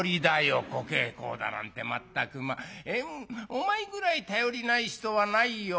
お前ぐらい頼りない人はないよ。